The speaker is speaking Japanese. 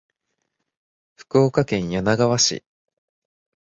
福岡県柳川市